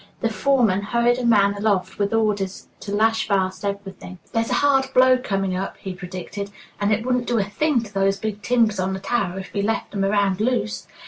The foreman hurried a man aloft with orders to lash fast everything. "There's a hard blow coming up," he predicted, "and it 'wouldn't do a thing' to those big timbers on the tower if we left 'em around loose!